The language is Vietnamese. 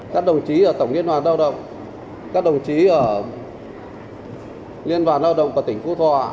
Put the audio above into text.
các đồng chí ở tổng liên đoàn lao động các đồng chí ở liên đoàn lao động của tỉnh phú thọ